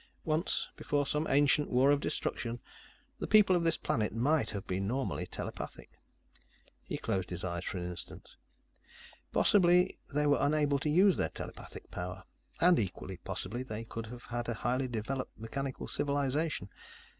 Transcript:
"Once, before some ancient war of destruction, the people of this planet might have been normally telepathic." He closed his eyes for an instant. "Possibly they were unable to use their telepathic power. And equally possibly, they could have had a highly developed mechanical civilization.